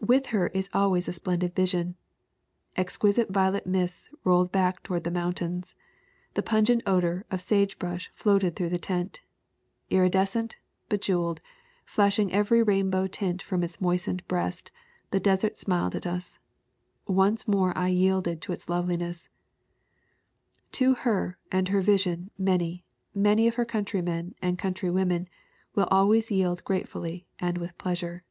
With her is always a splendid, vision: "Exquisite violet mists rolled back toward the mountains. The pungent odor of sagebrush floated through the tent. Iridescent, bejeweled, flashing every rainbow tint from its moist ened breast, the desert smiled at us. Once more I yielded to its loveliness/' To her and her vision many, many of her countrymen and countrywomen will always yield gratefully and with pleasure.